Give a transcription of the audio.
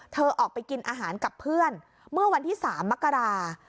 เธอออกไปกินอาหารกับเพื่อนเมื่อวันที่๓มกรา